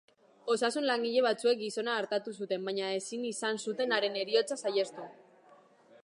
Osasun-langile batzuek gizona artatu zuten, baina ezin izan zuten haren heriotza saihestu.